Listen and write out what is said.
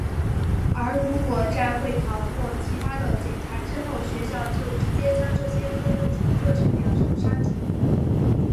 而如果在会考或其它的检查之后学校就直接将这些科目从课程表上删除。